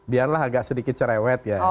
biarlah agak sedikit cerewet ya